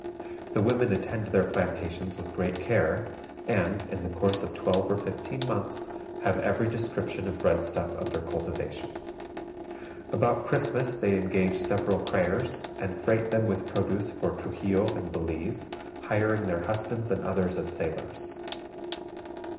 The women attend their plantations with great care, and, in the course of twelve or fifteen months, have every description of breadstuff under cultivation. About Christmas they engage several creers, and freight them with produce for Truxillo and Belize, hiring their husbands and others as sailors.